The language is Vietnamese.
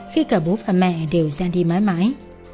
khi cả bố và mẹ đều ra đi mãi mãi